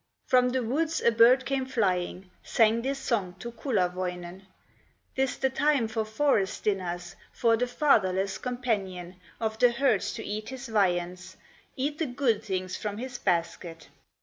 From the woods a bird came flying, Sang this song to Kullerwoinen: "'Tis the time for forest dinners, For the fatherless companion Of the herds to eat his viands, Eat the good things from his basket!"